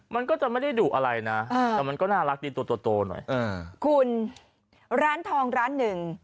มันก็จะไม่ได้ดุอะไรนะแต่มันก็น่ารักดีตัวหน่อยคุณร้านทองร้านหนึ่ง